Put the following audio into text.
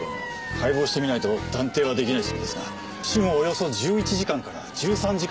解剖してみないと断定はできないそうですが死後およそ１１時間から１３時間だそうです。